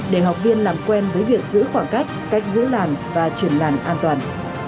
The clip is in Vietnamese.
để học viên làm quen với việc giữ khoảng cách cách giữ làn và chuyển làn an toàn